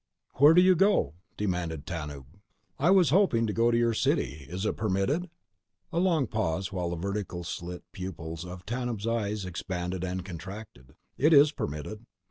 "Where do you go?" demanded Tanub. "I was hoping to go to your city. Is it permitted?" A long pause while the vertical slit pupils of Tanub's eyes expanded and contracted. "It is permitted."